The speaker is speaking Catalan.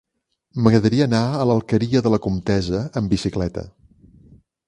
M'agradaria anar a l'Alqueria de la Comtessa amb bicicleta.